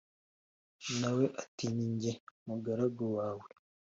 Na we ati “Ni jye umugaragu wawe.”